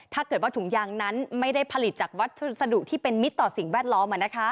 ถ้าเกิดว่าถุงยางนั้นไม่ได้ผลิตจากวัสดุที่เป็นมิตรต่อสิ่งแวดล้อม